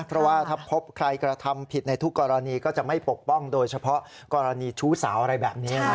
เพราะว่าถ้าพบใครกระทำผิดในทุกกรณีก็จะไม่ปกป้องโดยเฉพาะกรณีชู้สาวอะไรแบบนี้นะ